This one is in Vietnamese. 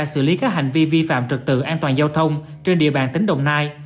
xử lý các hành vi vi phạm trực tự an toàn giao thông trên địa bàn tỉnh đồng nai